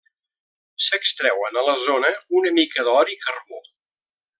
S'extreuen a la zona una mica d'or i carbó.